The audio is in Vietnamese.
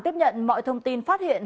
tiếp nhận mọi thông tin phát hiện